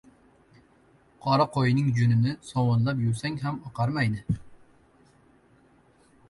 • Qora qo‘yning junini sovunlab yuvsang ham oqarmaydi.